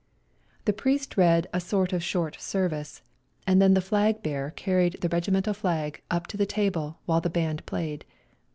The priest read a sort of short service, and then the flag bearer carried the regi mental flag up to the table while the band played.